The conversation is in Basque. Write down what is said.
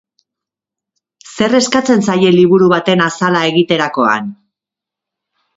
Zer eskatzen zaie liburu baten azala egiterakoan?